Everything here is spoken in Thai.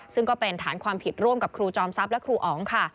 ซึ่งก็เป็นฐานความผิดร่วมกับครูจอมทรัพย์และครูอ๋องค่ะ